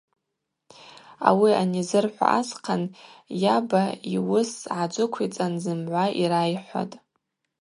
Ауи анизырхӏва асхъан йаба йуыс гӏаджвыквицӏан зымгӏва йрайхӏватӏ.